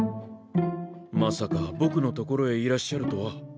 まさか僕の所へいらっしゃるとは。